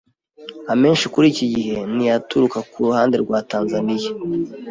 Amenshi muri iki gihe ni aturuka ku ruhande rwa Tanzania.